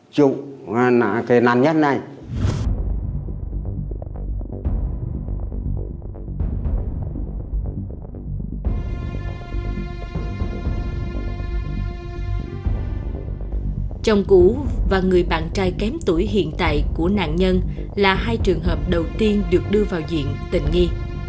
chồng cũ và người bạn trai kém tuổi hiện tại của nạn nhân là hai trường hợp đầu tiên được đưa vào diện tình nghi